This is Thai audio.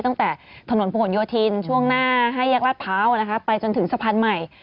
ตั้งแต่ถนนผนโยธินช่วงหน้าให้แยกลาดพร้าวไปจนถึงสะพานใหม่